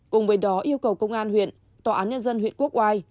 cùng với đó yêu cầu công an huyện tòa án nhân dân huyện quốc oai